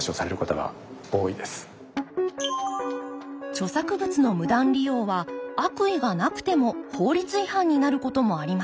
著作物の無断利用は悪意がなくても法律違反になることもあります。